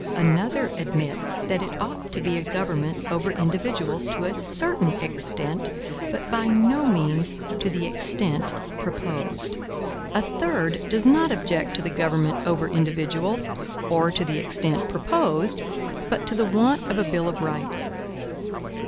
Another admits that it ought to be a government over individuals to a certain extent, but by no means to the extent proposed. A third does not object to the government over individuals, or to the extent proposed, but to the want of a bill of rights.